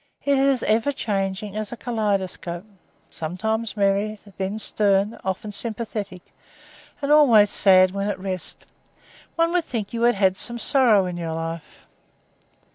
It is as ever changing as a kaleidoscope sometimes merry, then stern, often sympathetic, and always sad when at rest. One would think you had had some sorrow in your life."